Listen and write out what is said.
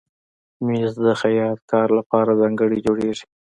مېز د خیاط کار لپاره ځانګړی جوړېږي.